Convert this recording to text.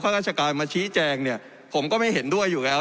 ราชการมาชี้แจงเนี่ยผมก็ไม่เห็นด้วยอยู่แล้ว